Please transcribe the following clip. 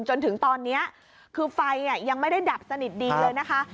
จนถึงตอนนี้คือไฟยังไม่ได้ดับสนิทดีเลยนะคะ